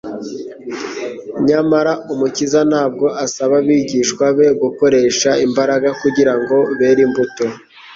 Nyamara, Umukiza ntabwo asaba abigishwa be gukoresha imbaraga kugira ngo bere imbuto.